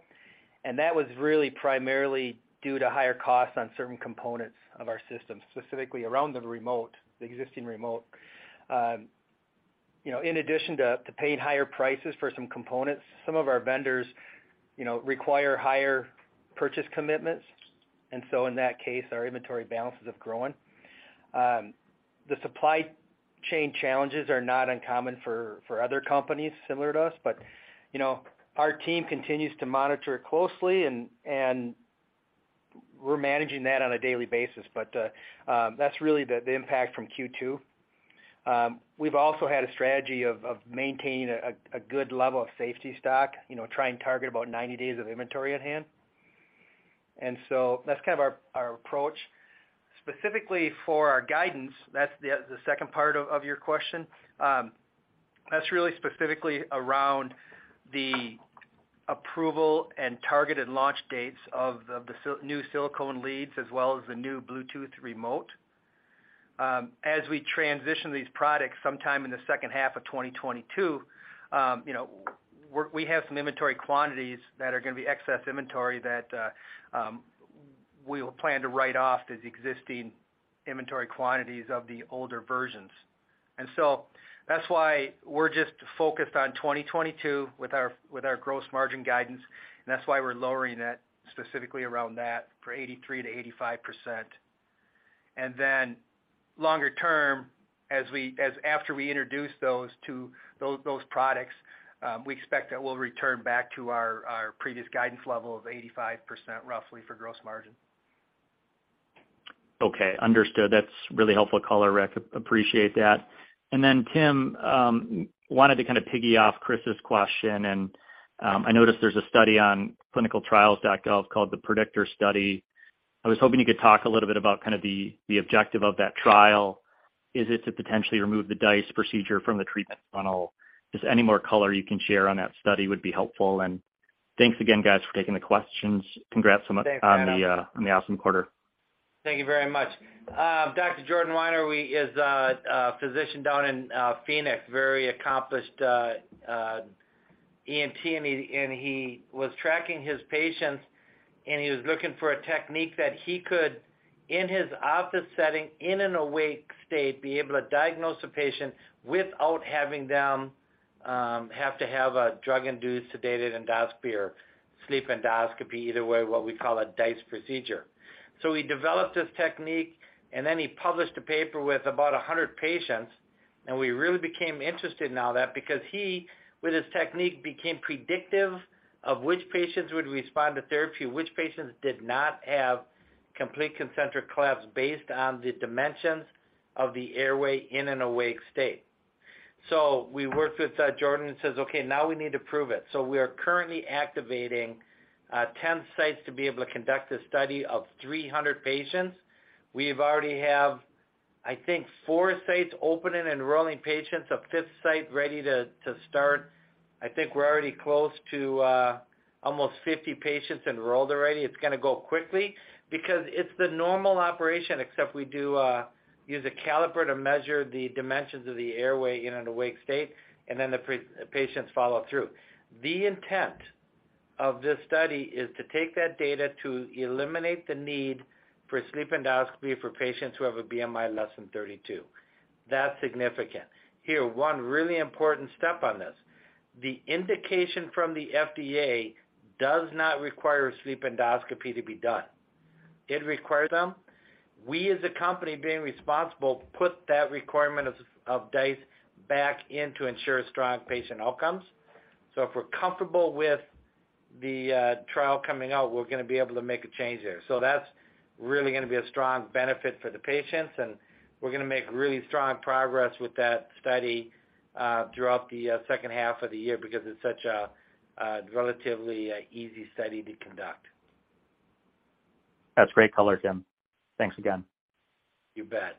That was really primarily due to higher costs on certain components of our system, specifically around the remote, the existing remote. You know, in addition to paying higher prices for some components, some of our vendors, you know, require higher purchase commitments. In that case, our inventory balances have grown. The supply chain challenges are not uncommon for other companies similar to us. You know, our team continues to monitor it closely, and we're managing that on a daily basis. That's really the impact from Q2. We've also had a strategy of maintaining a good level of safety stock, you know, try and target about 90 days of inventory at hand. That's kind of our approach. Specifically for our guidance, that's the second part of your question. That's really specifically around the approval and targeted launch dates of the new silicone leads as well as the new Bluetooth remote. As we transition these products sometime in the second half of 2022, you know, we have some inventory quantities that are gonna be excess inventory that we will plan to write off the existing inventory quantities of the older versions. That's why we're just focused on 2022 with our gross margin guidance, and that's why we're lowering it specifically around that for 83%-85%.Longer term, after we introduce those products, we expect that we'll return back to our previous guidance level of roughly 85% for gross margin. Okay. Understood. That's really helpful color, Rick. Appreciate that. Tim, I wanted to kind of piggyback off Chris' question and, I noticed there's a study on ClinicalTrials.gov called the PREDICTOR Study. I was hoping you could talk a little bit about kind of the objective of that trial. Is it to potentially remove the DICE procedure from the treatment funnel? Just any more color you can share on that study would be helpful. Thanks again, guys, for taking the questions. Congrats so much. Thanks, Adam. on the awesome quarter. Thank you very much. Dr. Jordan Weiner is a physician down in Phoenix, very accomplished ENT, and he was tracking his patients, and he was looking for a technique that he could, in his office setting, in an awake state, be able to diagnose a patient without having them have to have a drug-induced sedated endoscopy or sleep endoscopy, either way, what we call a DICE procedure. He developed this technique, and then he published a paper with about 100 patients, and we really became interested in all that because he, with his technique, became predictive of which patients would respond to therapy, which patients did not have complete concentric collapse based on the dimensions of the airway in an awake state. We worked with Jordan and says, "Okay, now we need to prove it." We are currently activating 10 sites to be able to conduct this study of 300 patients. We already have, I think, four sites open and enrolling patients, a fifth site ready to start. I think we're already close to almost 50 patients enrolled already. It's gonna go quickly because it's the normal operation, except we do use a caliper to measure the dimensions of the airway in an awake state, and then the patients follow through. The intent of this study is to take that data to eliminate the need for sleep endoscopy for patients who have a BMI less than 32. That's significant. Here's one really important step on this. The indication from the FDA does not require sleep endoscopy to be done. It requires them. We, as a company being responsible, put that requirement of DICE back in to ensure strong patient outcomes. If we're comfortable with the trial coming out, we're gonna be able to make a change there. That's really gonna be a strong benefit for the patients, and we're gonna make really strong progress with that study throughout the second half of the year because it's such a relatively easy study to conduct. That's great color, Tim. Thanks again. You bet.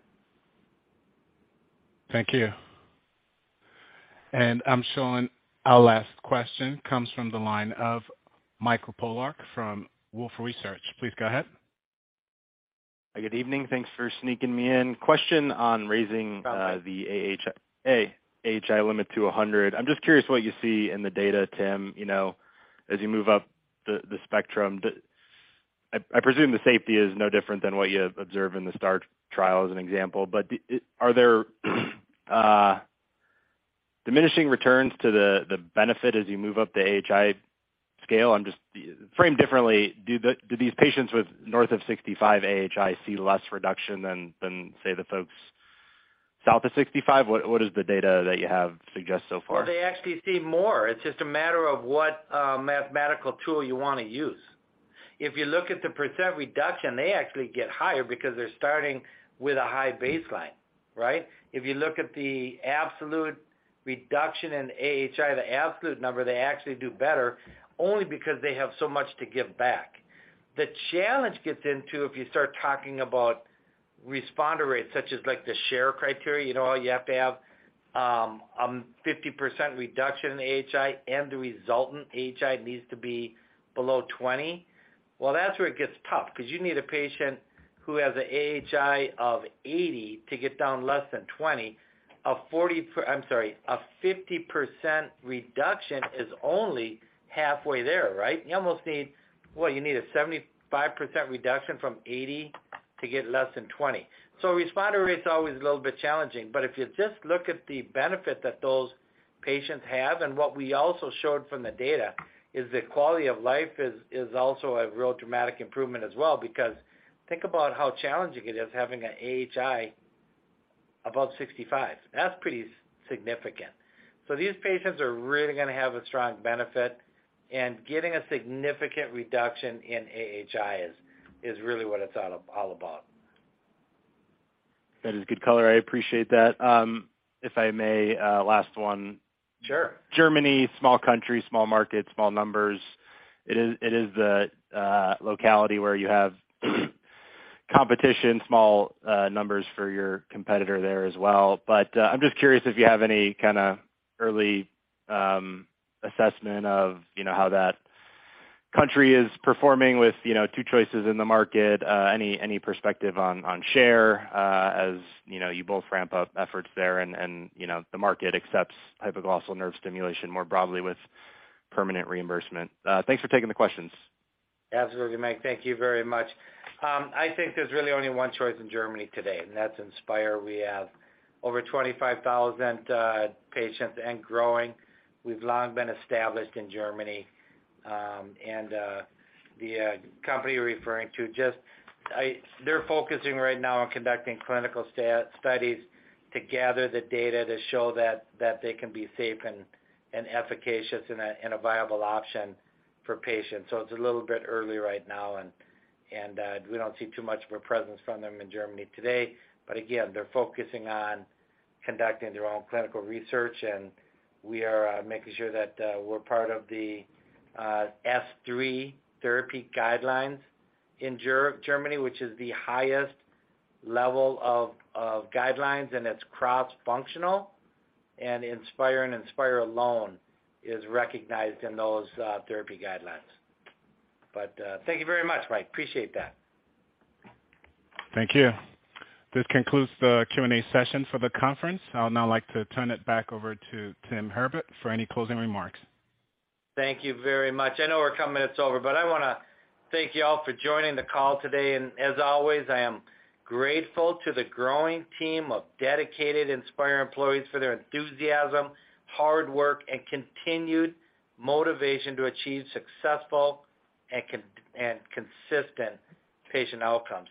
Thank you. I'm showing our last question comes from the line of Michael Polark from Wolfe Research. Please go ahead. Good evening. Thanks for sneaking me in. Question on raising the AHI limit to 100. I'm just curious what you see in the data, Tim, you know, as you move up the spectrum. I presume the safety is no different than what you observed in the STAR trial as an example. Are there diminishing returns to the benefit as you move up the AHI scale? Framed differently, do these patients with north of 65 AHI see less reduction than, say, the folks south of 65? What does the data that you have suggest so far? Well, they actually see more. It's just a matter of what mathematical tool you wanna use. If you look at the percent reduction, they actually get higher because they're starting with a high baseline, right? If you look at the absolute reduction in AHI, the absolute number, they actually do better only because they have so much to give back. The challenge gets into if you start talking about responder rates, such as like the Sher criteria. You know how you have to have 50% reduction in AHI and the resultant AHI needs to be below 20? That's where it gets tough because you need a patient who has an AHI of 80 to get down less than 20. A 50% reduction is only halfway there, right? You almost need Well, you need a 75% reduction from 80 to get less than 20. Responder rate's always a little bit challenging. If you just look at the benefit that those patients have, and what we also showed from the data is the quality of life is also a real dramatic improvement as well because think about how challenging it is having an AHI above 65. That's pretty significant. These patients are really gonna have a strong benefit, and getting a significant reduction in AHI is really what it's all about. That is good color. I appreciate that. If I may, last one. Sure. Germany, small country, small market, small numbers. It is the reality where you have competition, small numbers for your competitor there as well. I'm just curious if you have any kind of early assessment of, you know, how that country is performing with, you know, two choices in the market. Any perspective on share as, you know, you both ramp up efforts there and you know, the market accepts hypoglossal nerve stimulation more broadly with permanent reimbursement. Thanks for taking the questions. Absolutely, Mike. Thank you very much. I think there's really only one choice in Germany today, and that's Inspire. We have over 25,000 patients and growing. We've long been established in Germany. The company you're referring to just. They're focusing right now on conducting clinical studies to gather the data to show that they can be safe and efficacious and a viable option for patients. It's a little bit early right now, and we don't see too much of a presence from them in Germany today. Again, they're focusing on conducting their own clinical research, and we are making sure that we're part of th e S3 therapy guidelines in Germany, which is the highest level of guidelines, and it's cross-functional. Inspire and Inspire alone is recognized in those therapy guidelines. Thank you very much, Mike. Appreciate that. Thank you. This concludes the Q&A session for the conference. I would now like to turn it back over to Tim Herbert for any closing remarks. Thank you very much. I know we're a couple minutes over, but I wanna thank you all for joining the call today. As always, I am grateful to the growing team of dedicated Inspire employees for their enthusiasm, hard work, and continued motivation to achieve successful and consistent patient outcomes.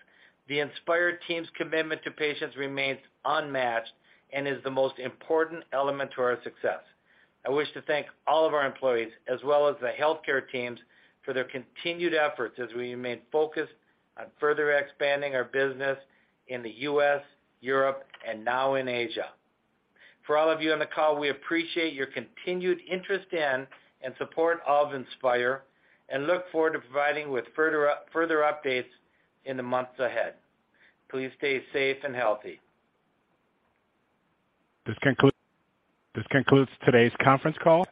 The Inspire team's commitment to patients remains unmatched and is the most important element to our success. I wish to thank all of our employees as well as the healthcare teams for their continued efforts as we remain focused on further expanding our business in the U.S., Europe, and now in Asia. For all of you on the call, we appreciate your continued interest in and support of Inspire and look forward to providing with further updates in the months ahead. Please stay safe and healthy. This concludes today's conference call.